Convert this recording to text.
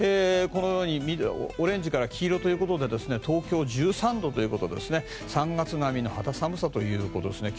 このようにオレンジから黄色ということで東京は１３度ということで３月並みの肌寒さです。